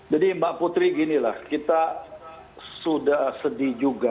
jadi mbak putri ginilah kita sudah sedih juga